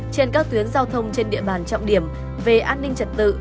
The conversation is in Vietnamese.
trên các tuyến giao thông trên địa bàn trọng điểm về an ninh trật tự